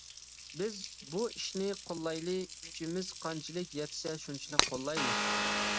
بىز بۇ ئىشنى قوللايلى، كۈچىمىز قانچىلىك يەتسە شۇنچىلىك قوللايلى.